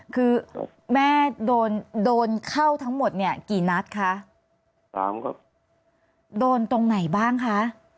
คือแม่โดนโดนเข้าทั้งหมดเนี่ยกี่นัดคะสามครับโดนตรงไหนบ้างคะ